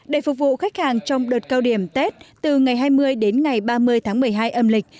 để phục vụ khách hàng trong đợt cao điểm tết từ ngày hai mươi đến ngày ba mươi tháng một mươi hai âm lịch